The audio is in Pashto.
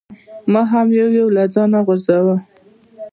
ما هم یو یو له ځانه غورځاوه.